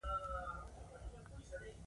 هغوی ته سزا ورکړي.